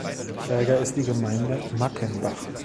Träger ist die Gemeinde Mackenbach.